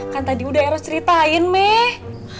kan tadi udah eros ceritain nih